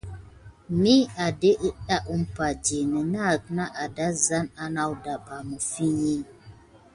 Mi ade əɗɗa aŋ umpa di, nənah na maw tay ulane anawda ɓa. Məfi i.